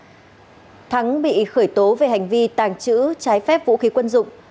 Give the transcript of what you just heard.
tài và kiên bị khởi tố ba hành vi tàng trữ trái phép vũ khí quân dụng